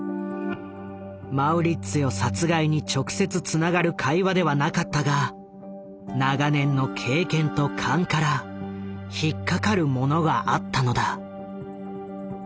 マウリッツィオ殺害に直接つながる会話ではなかったが長年の経験と勘から引っ掛かるものがあったのだ。